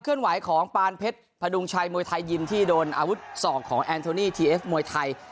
ไหวของปานเพชรพดุงชัยมวยไทยยิมที่โดนอาวุธสองของแอนโทนี่ทีเอฟมวยไทย